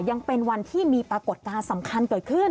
ยังเป็นวันที่มีปรากฏการณ์สำคัญเกิดขึ้น